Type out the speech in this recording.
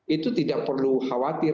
itu tidak perlu khawatir